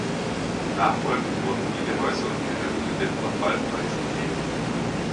Nachfolgend wurden viele Häuser und Gehöfte dem Verfall preisgegeben.